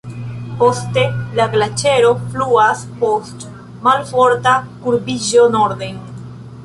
Poste la glaĉero fluas post malforta kurbiĝo norden.